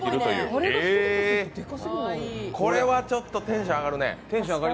これはちょっとテンション上がるね。